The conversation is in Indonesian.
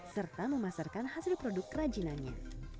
serta memasarkan hasil produk kerajinannya